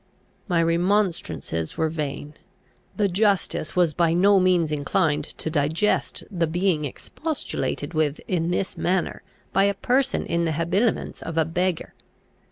My remonstrances were vain. The justice was by no means inclined to digest the being expostulated with in this manner by a person in the habiliments of a beggar.